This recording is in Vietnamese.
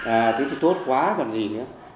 à thế thì tốt quá còn gì nữa